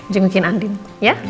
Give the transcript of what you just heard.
jengukin andien ya